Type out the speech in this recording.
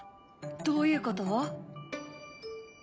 どういうこと？